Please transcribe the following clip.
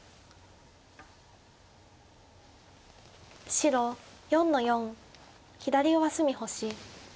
白４の四左上隅星。